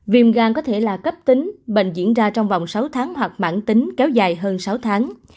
viêm gan có thể là cấp tính bệnh diễn ra trong vòng sáu tháng hoặc mãn tính kéo dài hơn sáu tháng